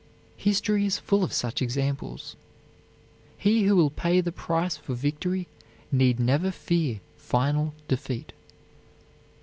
History is full of such examples. He who will pay the price for victory need never fear final defeat.